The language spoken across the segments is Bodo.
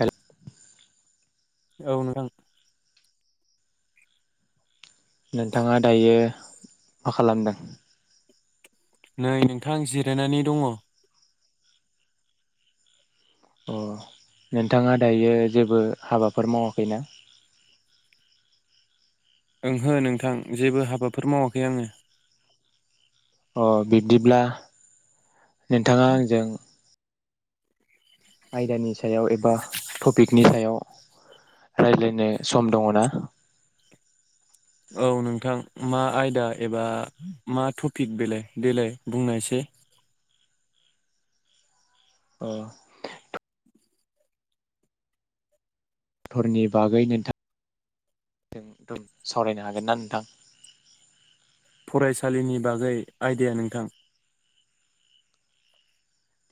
हेल' औ नोंथां नोंथाङा दायो मा खालामदों? नै नोंथां जिरायनानै दंङ। अ नोंथाङा दायो जेबो हाबाफोर मावाखैना? ओंहो नोंथां जेबो हाबाफोर मावाखै आङो। अ बिब्दिब्ला नोंथाङा आंजों आयदानि सायाव एबा टपिकनि सायाव रायज्लायनो सम दङ ना? औ नोंथां मा आयदा एबा मा टपिक बेलाय देलाय बुंनायसाय। अ धरनि बागै नोंथां सावरायनो हागोन ना नोंथां? फरायसालिनि बागै आइडाया नोंथां।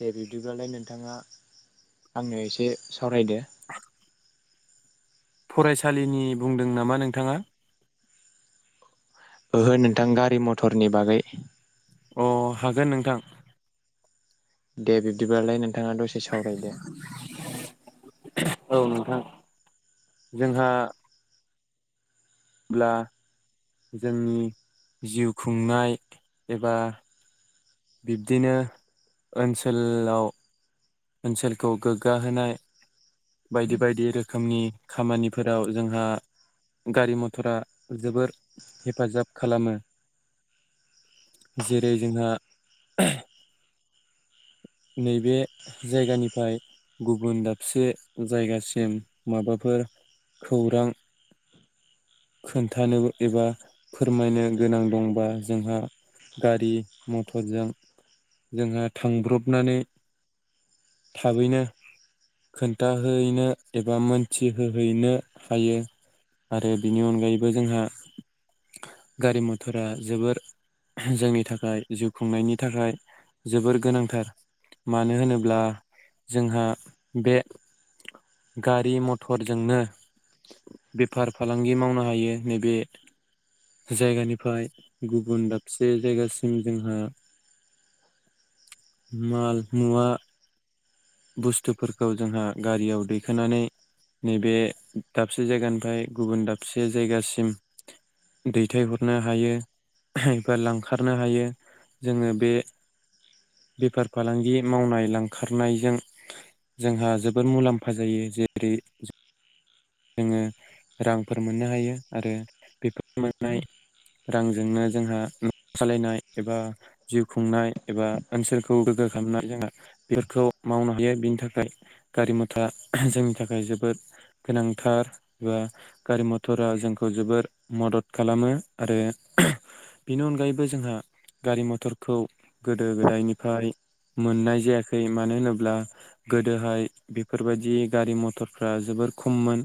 दे बिब्दिब्लाालाय नोंथाङा आंनो एसे सावरायदो। फरायसालिनि बुंदों नामा नोंथाङा? ओहो नोंथां गारि मथरनि बागै। अ हागोन नोंथां। दे बिब्दिबालाय नों थाङा दसे सावरायदो। औ नोंथां जोंहा ब्ला जोंनि जिउ खुंनाय एबा बिब्दिनो ओनसोलाव ओनसोलखौ गोग्गा होनाय बायदि बायदि रोखोमनि खामानिफोराव जोंहा गारि मथरा जोबोर हेफाजाब खालामो जेरै जोंहा नैबे जायगानिफ्राय गुबुन दाबसे जायगासिम माबाफोर खौरां खोन्थानो एबा फोरमायनो गोनां दंबा जोंहा गारि मथरजों जोंहा थांब्रबनानै थाबैनो खोन्थाहैनो एबा मोनथिहोहैनो हायो आरो बिनि अनगायैबो जोंहा गारि मथरा जोबोर जोंनि थाखाय जिउ खुंनायनि थाखाय जोबोर गोनांथार। मानो होनोब्ला जोंहा बे गारि मथरजोंनो बेफार फालांगि मावनो हायो नैबे जायगानिफाय गुबुन दाबसे जायगासिम जोंहा माल मुवा बुस्थुफोरखौ जोंहा गारियाव दैखोनानै नैबे दाबसे जायगानिफाय गुबुन दाबसे जायगासिम दैथायहरनो हायो एबा लांखारनो हायो जोङो बे बेफार फालांगि मावनाय लांखारनायजों जोंहा जोबोर मुलाम्फा जायो जेरै जोङो रांफोर मोननो हायो आरो बेफोर मोननाय रांजोंनो जोंहा न' सालायनाय एबा जिउ खुंनाय एबा ओनसोलखौ गोग्गो खालामनाय जोंहा बेफोरखौ मावनो हायो बिनि थाखाय गारि मथरा जोंनि थाखाय जोबोद गोनांथार एबा गारि मथरा जोंखौ जोबोर मदद खालामो आरो बेनि अनगायैबो जोंहा गारि मथरखौ गोदो गोदायनिफ्राय मोननाय जायाखै मानो होनोब्ला गोदोहाय बेफोरबायदि गारि मथरफ्रा जोबोर खममोन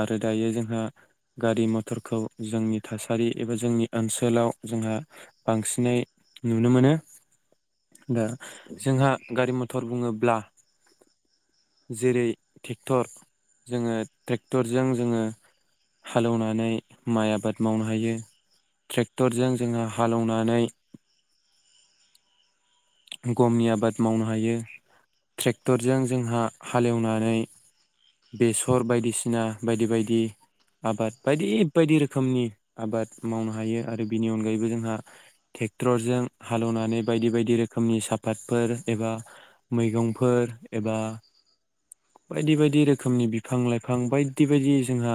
आरो दायो जोंहा गारि मथरखौ जोंनि थासारि एबा जोंनि ओनसोलाव जोंहा बांसिनै नुनो मोनो दा जोंहा गारि मथर बुङोब्ला जेरै टेक्टर जोङो ट्रेक्टरजों जोङो हालेवनानै माइ आबाद मावनो हायो ट्रेक्टरजों जोंहा हालौनानै गमि आबाद मावनो हायो ट्रेक्टरजों जोंहा हालेवनानै बेसर बायदिसिना बायदि बायदि आबाद बायदि बायदि रोखोमनि आबाद मावनो हायो आरो बिनि अनगायैबो जोंहा टेक्ट्ररजों हालेवनानै बायदि बायदि रोखोमनि साफादफोर एबा मैगंफोर एबा बायदि बायदि रो खोमनि बिफां लाइफां बायदि बायदि जोंहा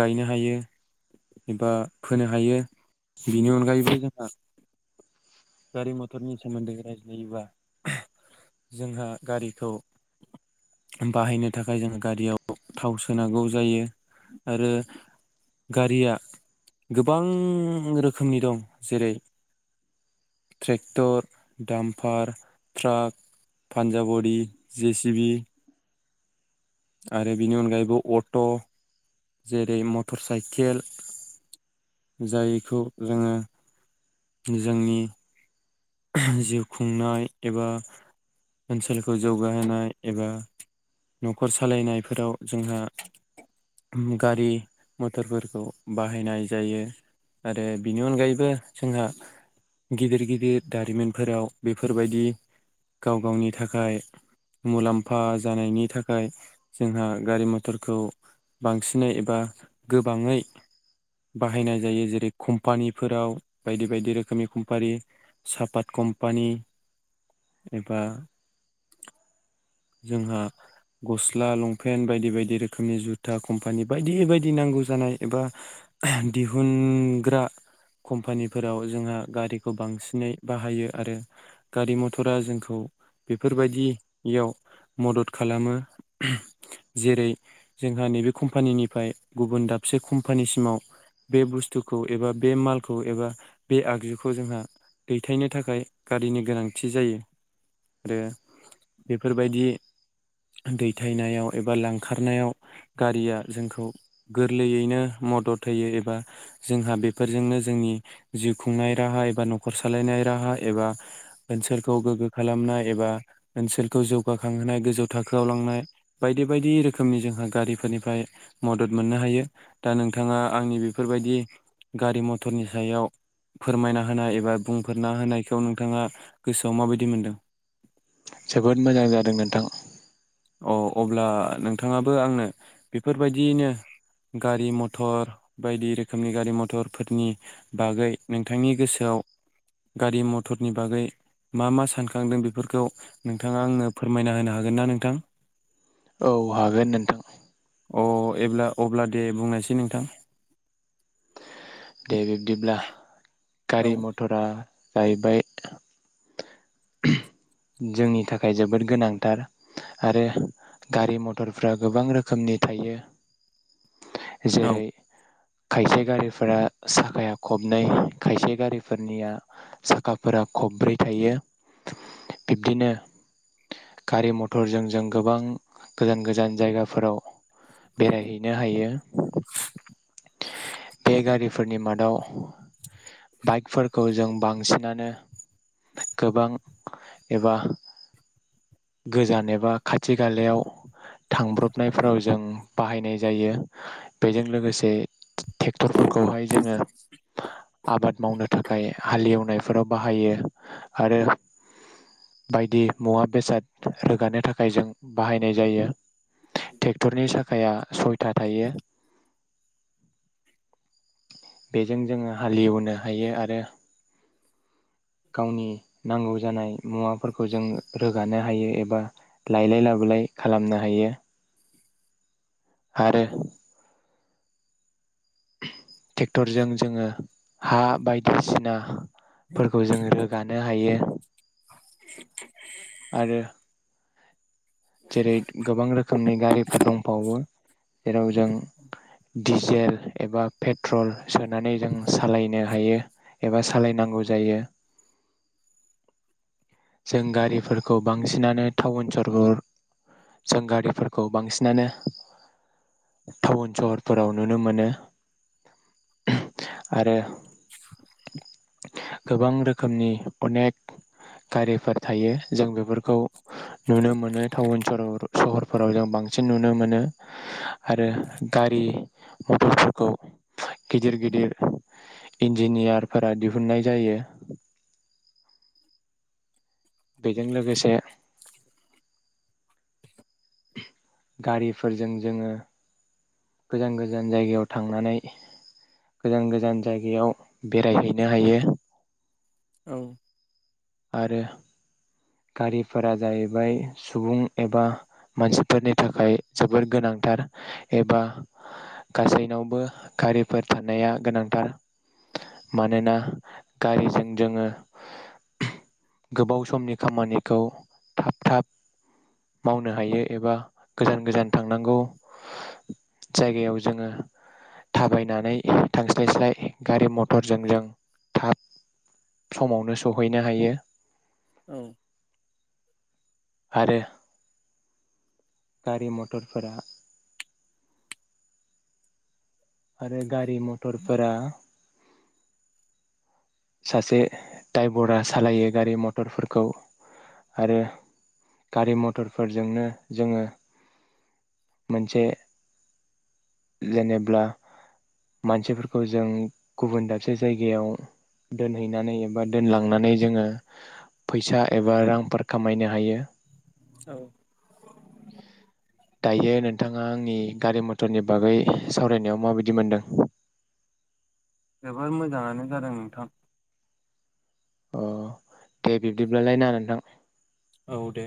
गायनो हायो एबा फोनो हायो बेनि अनगायैबो जोंहा गारि मथरनि सोमोन्दै रायज्लायोबा जोंहा गारिखौ बाहायनो थाखाय जोङो गारियाव थाव सोनांगौ जायो आरो गारिया गोबां रोखोमनि दं जेरै ट्रेक्टर दामफार ट्राक पान्जाबदि जे सि बि आरो बिनि अनगायैबो अट जेरै मटर साइकेल जायखौ जोङो जोंनि जिउ खुंनाय एबा ओनसोलखौ जौगाहोनाय एबा नखर सालायनायफोराव जोंहा गारि मथरफोरखौ बाहायनाय जायो आरो बिनि अनगायैबो जोंहा गिदिर गिदिर दारिमिनफोराव बेफोरबायदि गाव गावनि थाखाय मुलाम्फा जानायनि थाखाय जोंहा गारि मथरखौ बांसिनै एबा गोबाङै बाहायनाय जायो जेरै कम्पानिफोराव बायदि बायदि रोखोमनि कम्पानि सापात कम्पानि एबा जोंहा गस्ला लंपेन्ट बायदि बायदि रोखोमनि जुथा कम्पानि बायदि बायदि नांगौ जानाय एबा दिहुनग्रा कम्पानिफोराव जोंहा गारिखौ बांसिनै बाहायो आरो गारि मटरा जोंखौ बेफोरबायदियाव मदद खालामो जेरै जोंहा नैबे कम्पानिनिफ्राय गुबुन दाबसे कम्पानिसिमाव बे बुस्थुखौ एबा बे मालखौ एबा बे आगजुखौ जोंहा दैथायनो थाखाय गारिनि गोनांथि जायो आरो बेफोरबायदि दैथायनायाव एबा लांखारनायाव गारिया जोंखौ गोरलैयैनो मदद होयो एबा जोंहा बेफोरजोंनो जोंनि जिउ खुंनाय राहा एबा न खर सालायनाय राहा एबा ओनसोलखौ गोग्गो खालामनाय एबा ओनसोलखौ जौगाखांहोनाय गोजौ थाखोआव लांनाय बायदि बायदि रोखोमनि जोंहा गारिफोरनिफ्राय मदद मोननो हायो दा नोंथाङा आंनि बेफोरबायदि गारि मथरनि सायाव फोरमायना होनाय एबा बुंफोरना होनायखौ नोंथाङा गोसोआव माबायदि मोनदों? जोबोद मोजां जादों नोंथां अ अब्ला नोंथाङाबो आंनो बेफोरबायदियैनो गारि मथर बायदि रोखोमनि गारि मथरफोरनि बागै नोंथांनि गोसोआव गारि मटरनि बागै मा मा सानखांदों बेफोरखौ नोंथाङा आंनो फोरमायना होनो हागोन ना नोंथां? औ हागोन नोंथां अ एब्ला अब्ला दे बुंनोसै नोंथां? दे बिब्दिब्ला औ गारि मथरा जाहैबाय जोंनि थाखाय जोबोद गोनांथार आरो गारि मथरफ्रा गोबां रोखोमनि थायो औ जेरै खायसे गारिफोरा साखाया खबनै खायसे गारिफोरनिया साखाफोरा खबब्रै थायो बिब्दिनो गारि मथरजों जों गोबां गोजान गोजान जायगाफोराव बेरायहैनो हायो बे गारिफोरनि मादाव बाइकफोरखौ जों बांसिनानो गोबां एबा गोजान एबा खाथि खालायाव थांब्रबनायफोराव जों बाहायनाय जायो बेजों लोगोसे टेक्टरफोरखौहाय जोङो आबाद मावनो थाखाय हालेवनायफोराव बाहायो आरो बायदि मुवा बेसाद रोगानो थाखाय जों बाहायनाय जायो टेक्टरनि साखाया सयथा थायो बेजों जोङो हालेवनो हायो आरो गावनि नांगौ जानाय मुवाफोरखौ जों रोगानो हायो एबा लायलाय लाबोलाय खालामनो हायो आरो [inaudible] टेक्टरजों जोङो हा बायदिसिनाफोरखौ जों रोगानो हायो [inaudible] आरो जेरै गोबां रोखोमनि गारिफोर दंबावो जेराव जों दिजेल एबा पेट्रल सोनानै जों सालायनो हायो एबा सायनांगौ जायो जों गारिफोरखौ बांसिनानो टाउन सहर जों गारिफोरखौ बांसिनानो टाउन सहरफोराव नुनो मोनो आरो गोबां रोखोमनि अनेक गारिफोर थायो जों बेफोरखौ नुनो मोनो टाउन सहरावरु सहरफोराव जों बांसिन नुनो मोनो आरो गारि मथरफोरखौ गिदिर गिदिर इन्जिनियारफोरा दिहुननाय जायो बेजों लोगोसे गारिफोरजों जोङो गोजान गोजान जायगायाव थांनानै गोजान गोजान जायगायाव बेरायहैनो हायो औ आरो गारिफोरा जाहैबाय सुबुं एबा मानसिफोरनि थाखाय जोबोर गोनांथार एबा गासैनावबो गारिफोर थानाया गोनांथार मानोना गारिजों जोङो गोबाव समनि खामानिखौ थाब थाब मावनो हायो एबा गोजान गोजान थांनांगौ जायगायाव जोङो थाबायनानै थांस्लाय स्लाय गारि मथरजों जों थाब समावनो सहैनो हायो औ आरो गारि मटरफोरा आरो गारि मथरफोरा सासे द्राइभरा सालायो गारि मटरफोरखौ आरो गारि मटरफोरजोंनो जोङो मोनसे जेनेब्ला मानसिफोरखौ जों गुबुन दाबसे जायगायाव दोनहैनानै एबा दोनलांनानै जोङो फैसा एबा रां फोर खामायनो हायो दायो नोंथाङा आंनि गारि मथरनि बागै सावरायनायाव माबायदि मोनदों जोबोर मोजाङानो जादों नोंथां अ दे बिब्दिब्लालाय ना नोंथां औ दे